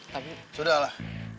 tapi sudah lah